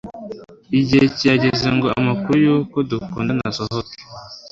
Igihe kirageze ngo amakuru yuko dukundana asohoke